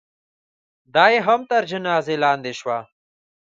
دا یې هم تر جنازې لاندې شوه.